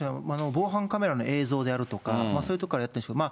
防犯カメラの映像であるとか、そういうところからやってるんでしょう。